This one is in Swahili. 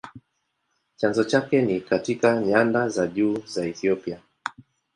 Chanzo chake ni katika nyanda za juu za Ethiopia.